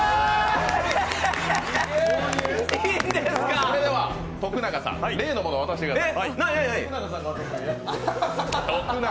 それでは徳永さん、例のものを渡してください。